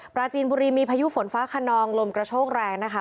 ปราจีนบุรีมีพายุฝนฟ้าขนองลมกระโชกแรงนะคะ